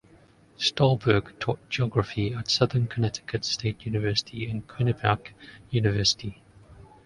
Stolberg taught Geography at Southern Connecticut State University and Quinnipiac University.